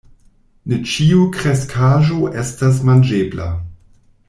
Ne ĉiu kreskaĵo estas manĝebla.